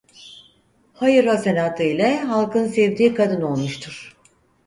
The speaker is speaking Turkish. Hayır hasenatı ile halkın sevdiği kadın olmuştur.